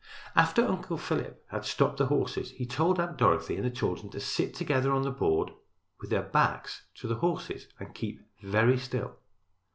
After Uncle Philip had stopped the horses he told Aunt Dorothy and the children to sit together on the board with their backs to the horses and keep very still.